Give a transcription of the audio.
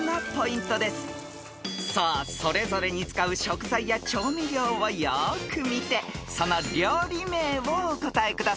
［さあそれぞれに使う食材や調味料をよーく見てその料理名をお答えください］